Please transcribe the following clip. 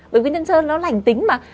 bởi vì nhân sơ nó lành tính mà